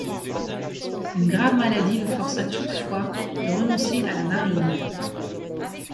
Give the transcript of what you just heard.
Une grave maladie le força toutefois de renoncer à la marine.